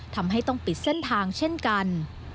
ทำให้ต้องปิดเส้นทางเช่นกัน